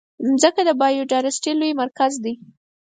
مځکه د بایوډایورسټي لوی مرکز دی.